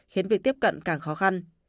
khiến việc tiếp cận càng khó khăn